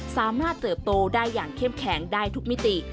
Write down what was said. เติบโตได้อย่างเข้มแข็งได้ทุกมิติ